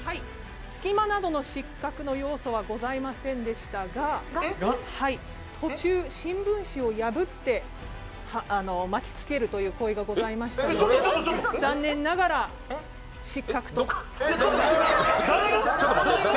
隙間などの失格の要素はございませんでしたが途中、新聞紙を破って巻きつけるという行為がございましたので残念ながら失格とさせていただきます。